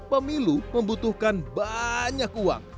pemilu membutuhkan banyak uang